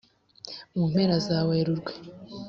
mu mpera za Werurwe,